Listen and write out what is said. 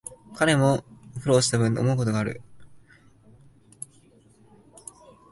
彼も苦労したぶん、思うところがある